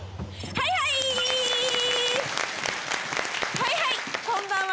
はいはいこんばんは。